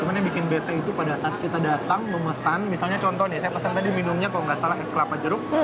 cuman yang bikin bete itu pada saat kita datang memesan misalnya contoh nih saya pesan tadi minumnya kalau nggak salah es kelapa jeruk